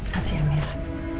kasih ya mirna